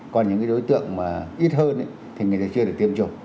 còn những cái đối tượng mà ít hơn thì người ta chưa được tiêm chủng